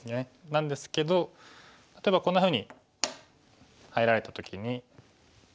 なんですけど例えばこんなふうに入られた時に。